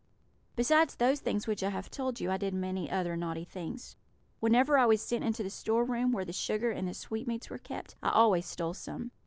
"Besides those things which I have told you, I did many other naughty things. Whenever I was sent into the store room, where the sugar and sweetmeats were kept, I always stole some.